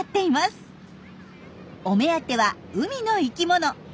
お目当ては海の生きもの。